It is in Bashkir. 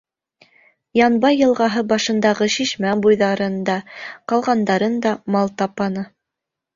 Янбай йылғаһы башындағы шишмә буйҙарын да, ҡалғандарын да мал тапаны.